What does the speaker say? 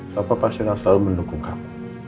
bapak pasti akan selalu mendukung kamu